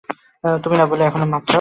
তুমি না বললে এখনো আমাকে চাও।